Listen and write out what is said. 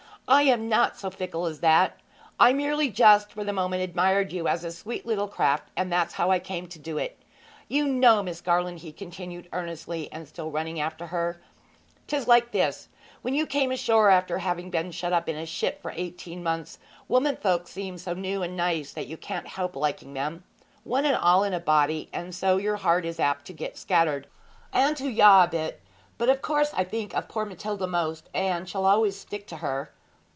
I am not so fickle as that! I merely just for the moment admired you as a sweet little craft, and that's how I came to do it. You know, Miss Garland,' he continued earnestly, and still running after, ''tis like this: when you come ashore after having been shut up in a ship for eighteen months, women folks seem so new and nice that you can't help liking them, one and all in a body; and so your heart is apt to get scattered and to yaw a bit; but of course I think of poor Matilda most, and shall always stick to her.'